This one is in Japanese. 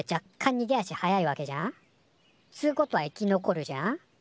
にげ足早いわけじゃん？つうことは生き残るじゃん？